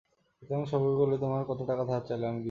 সীতারাম সগর্বে কহিল, তোমার কত টাকা ধার চাই, আমি দিব।